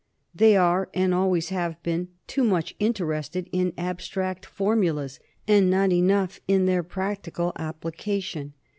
They are, and always have been, too much interested in abstract formulas, and not enough in their practical application.